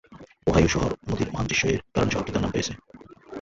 Ohio নদীর "মহান দৃশ্য" এর কারণে শহরটি তার নাম পেয়েছে।